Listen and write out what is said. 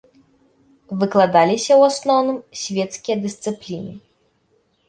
Выкладаліся ў асноўным свецкія дысцыпліны.